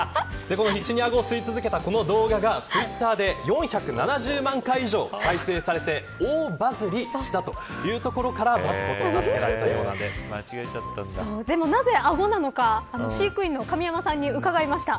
必死にあごを吸い続けたこの動画がツイッターで４７０万回以上再生されて大バズリしたというところからバズ子とでも、なぜ、あごなのか飼育員の上山さんに伺いました。